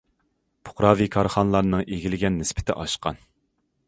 پۇقراۋى كارخانىلارنىڭ ئىگىلىگەن نىسبىتى ئاشقان.